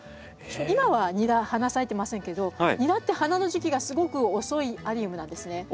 今はニラ花咲いてませんけどニラって花の時期がすごく遅いアリウムなんですね。